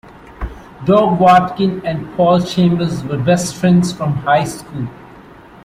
Doug Watkins and Paul Chambers were best friends from high school.